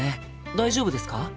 大丈夫ですか？